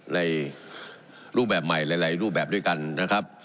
ในรูปแบบใหม่หลายรูปแบบด้วยกันนะครับ